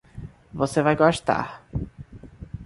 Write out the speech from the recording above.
Você vai gostar